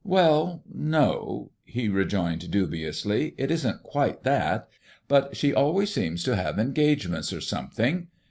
"Well, no," he rejoined dubiously, "it isn't quite that; but she always seems to have engagements or something.